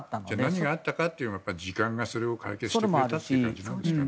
何があったかというより時間が解決してくれたということですかね。